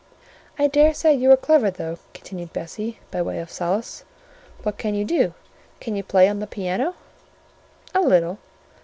"I dare say you are clever, though," continued Bessie, by way of solace. "What can you do? Can you play on the piano?" "A little."